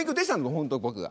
本当僕が。